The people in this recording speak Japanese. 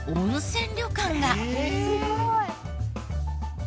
「すごい！」